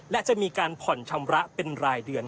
และจะมีการผ่อนชำระเป็นรายเดือน